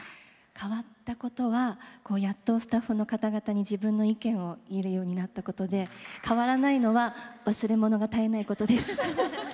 変わったことはやっとスタッフの方々に自分の意見を言えるようになったことで変わらないのは忘れ物が絶えないことです。